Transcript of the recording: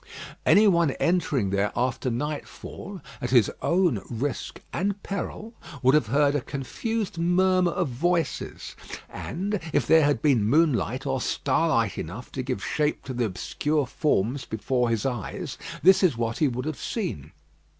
Any one entering there after nightfall, at his own risk and peril, would have heard a confused murmur of voices; and, if there had been moonlight or starlight enough to give shape to the obscure forms before his eyes, this is what he would have seen.